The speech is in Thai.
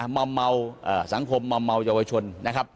มาเมาสังคมมาเมาเยาวชนนะครับ